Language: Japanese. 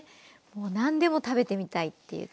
もう何でも食べてみたいっていう。